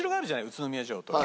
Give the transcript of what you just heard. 宇都宮城とか。